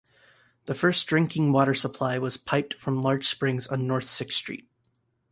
The first drinking water supply was piped from large springs on North Sixth Street.